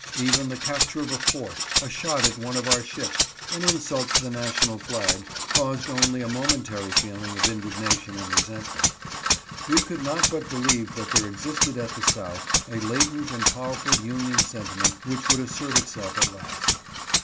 Even the capture of a fort, a shot at one of our ships — an insult to the national flag — caused only a momentary feeling of indignation and resentment. We could not but believe that there existed at the South a latent and powerful Union sentiment C408) AUTHOR'S SPEECH IN ROCHESTER. 409 which would assert itself at last.